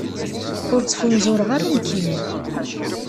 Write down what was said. Ur ttfunzureɣ ara, nekkini.